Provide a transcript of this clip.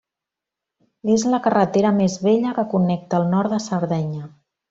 És la carretera més vella que connecta el nord de Sardenya.